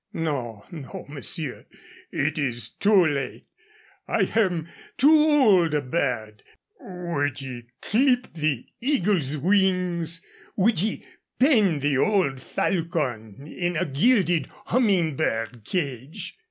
"No, no, monsieur. It is too late. I am too old a bird. Would ye clip the eagle's wings? Would ye pen the old falcon in a gilded humming bird cage?